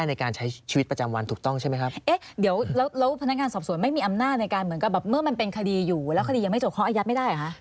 ในการเหมือนกับเมื่อมันเป็นคดีอยู่แล้วคดียังไม่จบเขาอายัดไม่ได้หรือคะ